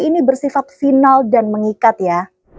ini bersifat final dan mengikat ya